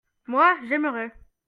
moi, j'aimerai.